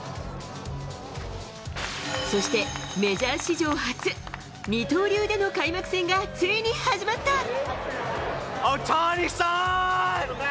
そして、メジャー史上初、二刀流での開幕戦がついに始まった。